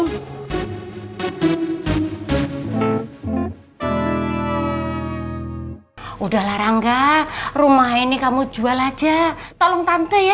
sudah larang enggak rumah ini kamu jual aja tolong tante ya